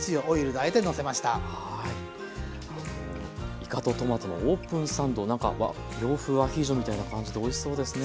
いかとトマトのオープンサンドなんか洋風アヒージョみたいな感じでおいしそうですね。